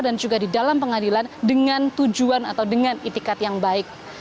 dan juga di dalam pengadilan dengan tujuan atau dengan itikat yang baik